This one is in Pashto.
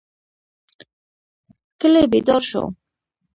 کلی بیدار شو.